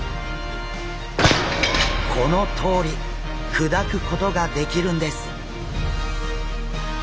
このとおり砕くことができるんです。